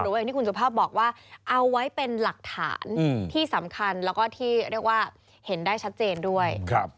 อย่างที่คุณสุภาพบอกว่าเอาไว้เป็นหลักฐานที่สำคัญแล้วก็ที่เรียกว่าเห็นได้ชัดเจนด้วย